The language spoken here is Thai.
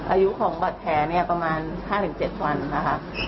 อายุของบัตรแผลประมาณ๕ถึง๗วันนะครับ